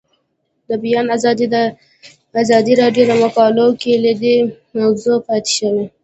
د بیان آزادي د ازادي راډیو د مقالو کلیدي موضوع پاتې شوی.